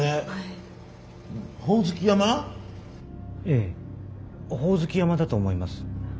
ええホオズキ山だと思います。